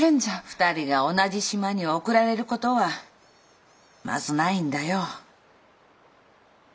２人が同じ島に送られる事はまずないんだよ。